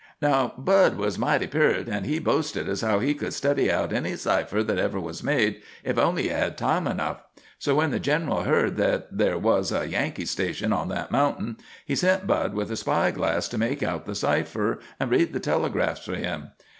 Now Bud was mighty peart, and he boasted as how he could study out any cipher that ever was made, if only he had time enough. So when the gineral heard that there was a Yankee station on that mountain, he sent Bud with a spy glass, to make out the cipher and read the telegrafts for him.